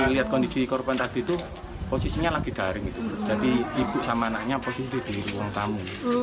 lihat kondisi korban tadi itu posisinya lagi daring jadi ibu sama anaknya posisi di ruang tamu